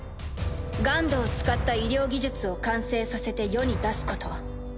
ＧＵＮＤを使った医療技術を完成させて世に出すこと。